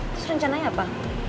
terus rencananya apa